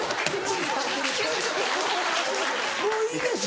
「もういいです」